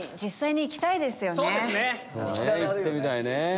そうね行ってみたいね。